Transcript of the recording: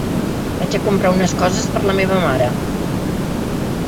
Vaig a comprar unes coses per a la meva mare.